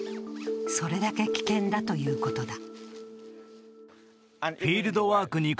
それだけ危険だということだ。